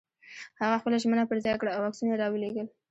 هغه خپله ژمنه پر ځای کړه او عکسونه یې را ولېږل.